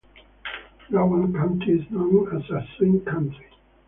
Rowan County is known as a swing county.